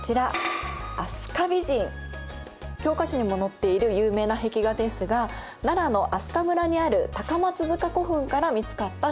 教科書にも載っている有名な壁画ですが奈良の明日香村にある高松塚古墳から見つかった壁画です。